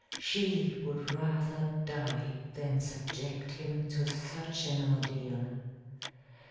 She would rather die than subject him to such an ordeal.